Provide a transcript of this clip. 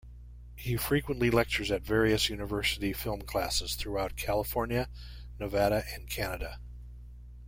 He frequently lectures at various university film classes throughout California, Nevada and Canada.